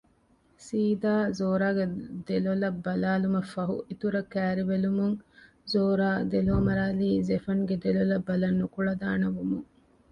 ސީދާ ޒޯރާގެ ދެލޮލަށް ބަލާލުމަށްފަހު އިތުރަށް ކައިރިވެލުމުން ޒޯރާ ދެލޯމަރާލީ ޒެފަންގެ ދެލޮލަށް ބަލަން ނުކުޅަދާނަވުމުން